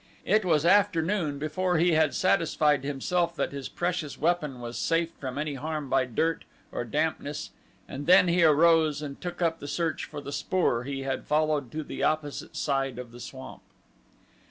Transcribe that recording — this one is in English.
It was afternoon before he had satisfied himself that his precious weapon was safe from any harm by dirt, or dampness, and then he arose and took up the search for the spoor he had followed to the opposite side of the swamp.